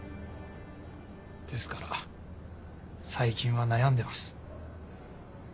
ですから最近は悩んでます。